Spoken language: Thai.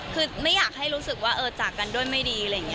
คือไม่อยากให้รู้สึกว่าจากกันด้วยไม่ดี